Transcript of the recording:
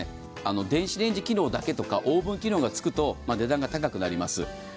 電子レンジ機能だけとかオーブン機能が付くと値段が高くなります。